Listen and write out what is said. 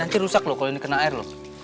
nanti rusak loh kalau ini kena air loh